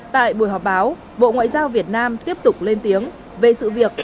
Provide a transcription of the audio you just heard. tại buổi họp báo bộ ngoại giao việt nam tiếp tục lên tiếng về sự việc